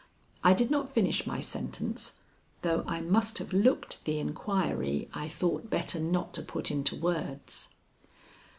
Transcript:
I did not finish my sentence, though I must have looked the inquiry I thought better not to put into words.